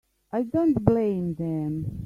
I don't blame them.